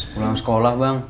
pulang sekolah bang